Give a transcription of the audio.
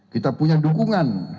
kita punya dukungan